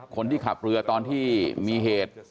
คนที่ขับเรือตอนที่มีเหตุ